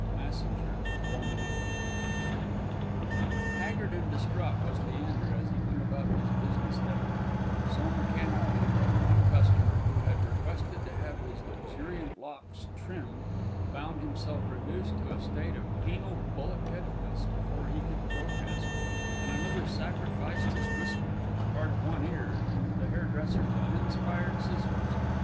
MASSINGER, Roman Actor. Haggard and distraught was Leander as he went about his business that morning, so mechanically that one customer, who had requested to have his luxuriant locks "trimmed," found himself reduced to a state of penal bullet headedness before he could protest, and another sacrificed his whiskers and part of one ear to the hairdresser's uninspired scissors.